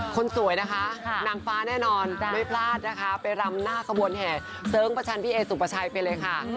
คนสวยนะคะนางฟ้าแน่นอนไม่พลาดนะคะไปรำหน้าขบวนแห่เสริงประชันพี่เอสุปชัยไปเลยค่ะ